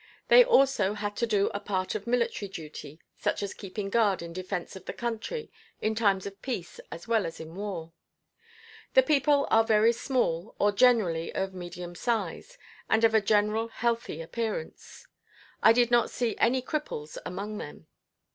They also had to do a part of military duty, such as keeping guard in defence of the country in times of peace as well as in war. The people are very small or generally of medium size, and of a general healthy appearance. I did not see any cripples among them.